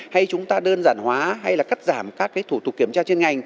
hay chúng ta đơn giản hóa hay là cắt giảm các thủ tục kiểm tra